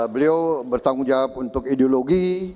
beliau bertanggung jawab untuk ideologi